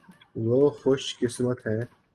وہ خوش قسمت ہیں۔